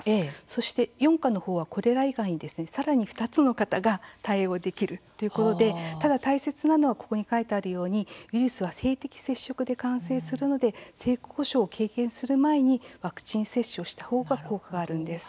そして４価のほうはこれら以外に、さらに２つの型が対応できるということでただ、大切なのはここに書いてあるようにウイルスは性的接触で感染するので性交渉を経験する前にワクチン接種をしたほうが効果があるんです。